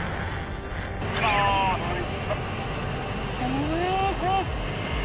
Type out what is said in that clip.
うわわっ。